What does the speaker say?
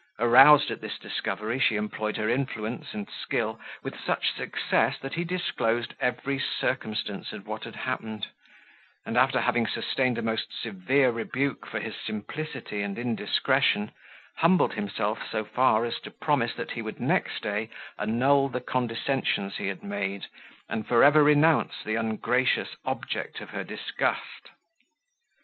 Aroused at this discovery, she employed her influence and skill with such success, that he disclosed every circumstance of what had happened; and after having sustained a most severe rebuke for his simplicity and indiscretion, humbled himself so far as to promise that he would next day annul the condescensions he had made, and for ever renounce the ungracious object of her disgust.